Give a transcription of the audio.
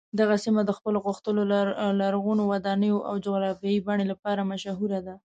دغه سیمه د خپلو غښتلو لرغونو ودانیو او جغرافیايي بڼې لپاره مشهوره ده.